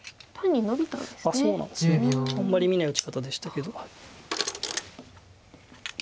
あんまり見ない打ち方でしたけど。